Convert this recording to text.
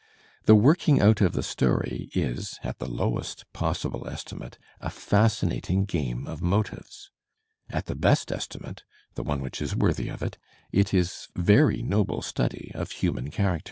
The working out of the story is, at the lowest possible estimate, a fas cinating game of motives; at the best estimate, the one which is worthy of it, it is very noble study of human character.